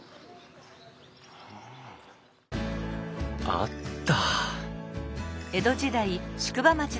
あった！